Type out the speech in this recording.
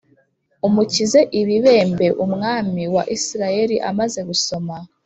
Umukize ibibembe umwami wa isirayeli amaze gusoma